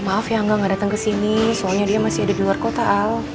maaf ya angga gak dateng kesini soalnya dia masih ada di luar kota al